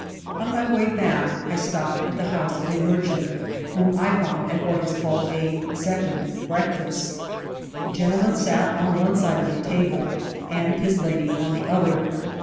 On my way back I stopped at the house of a mer* chant, whom I found at what is called a second break* fast. The gentleman sat on one side of the table and his lady on the other.